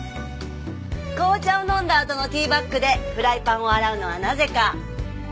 紅茶を飲んだあとのティーバッグでフライパンを洗うのはなぜか？